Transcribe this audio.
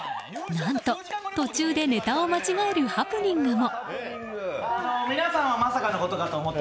何と途中でネタを間違えるハプニングも。